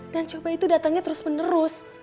coba itu datangnya terus menerus